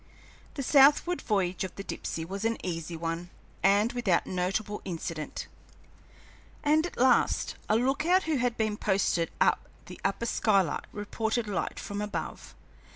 The southward voyage of the Dipsey was an easy one and without notable incident; and at last a lookout who had been posted at the upper skylight reported light from above.